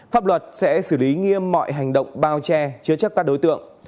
pháp luật sẽ xử lý nghiêm mọi hành động bao che chứa chấp các đối tượng